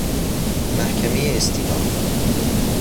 محکمۀ استیناف